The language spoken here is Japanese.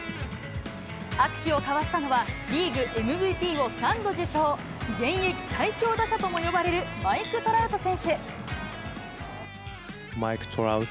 握手を交わしたのは、リーグＭＶＰを３度受賞、現役最強打者とも呼ばれるマイク・トラウト選手。